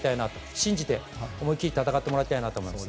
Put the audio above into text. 信じて、思い切り戦ってほしいと思います。